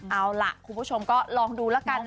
เอาล่ะคุณผู้ชมก็ลองดูแล้วกันนะ